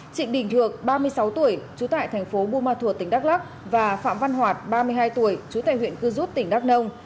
trịnh đình thược ba mươi sáu tuổi chú tại thành phố bumathua tỉnh đắk lắc và phạm văn hoạt ba mươi hai tuổi chú tại huyện cư rút tỉnh đắk nông